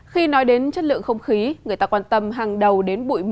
khi nói đến chất lượng không khí người ta quan tâm hàng đầu đến bụi mịn pmf hai năm